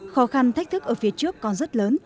khó khăn thách thức ở phía trước còn rất lớn